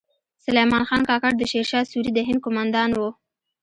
سلیمان خان کاکړ د شیر شاه سوري د هند کومندان و